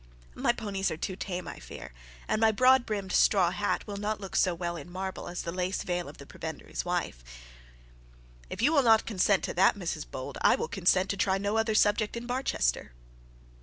'My ponies are too tame, I fear, and my broad brimmed straw hat will not look so well in marble as the lace veil of the prebendary's wife.' 'If you will not consent to that, Mrs Bold, I will consent to try no other subject in Barchester.'